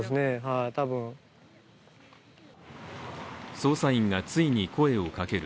捜査員がついに声をかける。